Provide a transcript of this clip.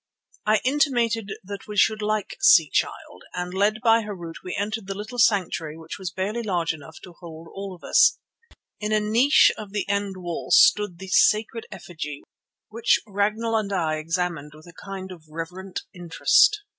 I intimated that we should "like see Child," and led by Harût we entered the little sanctuary which was barely large enough to hold all of us. In a niche of the end wall stood the sacred effigy which Ragnall and I examined with a kind of reverent interest.